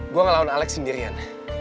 gue ngelawan alex sendirian